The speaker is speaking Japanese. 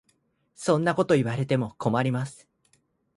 そんなこと言われても困ります。